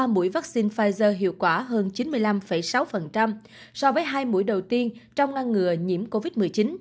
ba mũi vaccine pfizer hiệu quả hơn chín mươi năm sáu so với hai mũi đầu tiên trong ngăn ngừa nhiễm covid một mươi chín